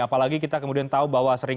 apalagi kita kembali ke pemberantasan terorisme